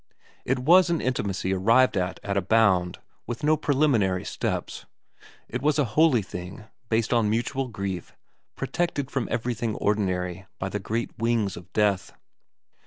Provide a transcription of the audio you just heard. It was an intimacy arrived at at a bound, with no preliminary steps. It was a holy thing, based on mutual grief, protected from everything ordinary by the great wings of Death.